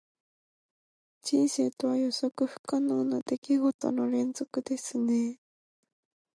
人生とは、予測不可能な出来事の連続ですね。